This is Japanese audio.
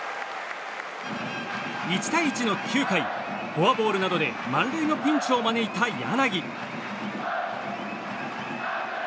１対１の９回フォアボールなどで満塁のピンチを招いた柳。